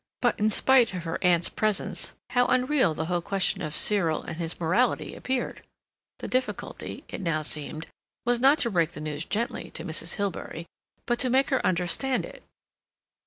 But, in spite of her aunt's presence, how unreal the whole question of Cyril and his morality appeared! The difficulty, it now seemed, was not to break the news gently to Mrs. Hilbery, but to make her understand it.